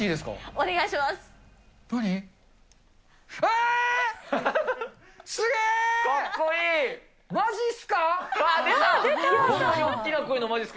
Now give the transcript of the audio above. お願いします。